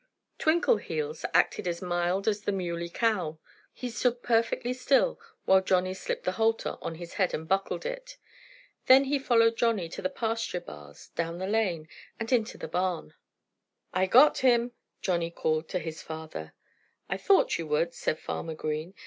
Twinkleheels acted as mild as the Muley Cow. He stood perfectly still while Johnnie slipped the halter on his head and buckled it. Then he followed Johnnie to the pasture bars, down the lane, and into the barn. "I got him!" Johnnie called to his father. "I thought you would," said Farmer Green.